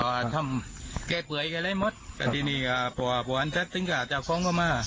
ก็ทำแก้เปื่อยกันเลยหมดครับแต่ทีนี้ก็พวกพวกอันทัศน์ตึงกับเจ้าของก็มา